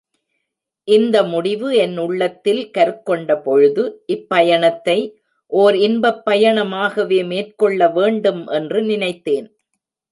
இந்த முடிவு என் உள்ளத்தில் கருக்கொண்ட பொழுது, இப்பயணத்தை ஓர் இன்பப் பயணமாகவே மேற்கொள்ள வேண்டும் என்று நினைத்தேன்.